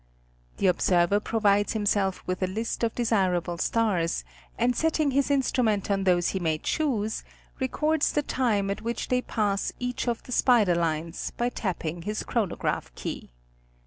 The observer provides himself with a list of desirable stars, and setting his instrument on those he may choose, records the time at which they pass each of the spider lines, by tapping his chronograph key.